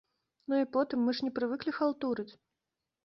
Ну і потым, мы ж не прывыклі халтурыць!